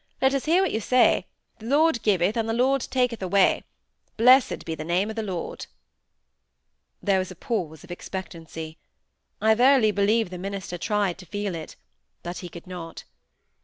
Let us hear you say, 'The Lord giveth and the Lord taketh away. Blessed be the name of the Lord!'" There was a pause of expectancy. I verily believe the minister tried to feel it; but he could not.